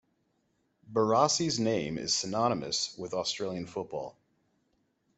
Barassi's name is synonymous with Australian football.